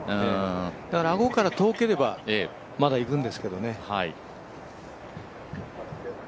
だからアゴから遠ければまだいくんですけどね。